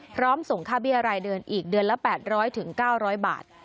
ส่งค่าเบี้ยรายเดือนอีกเดือนละ๘๐๐๙๐๐บาท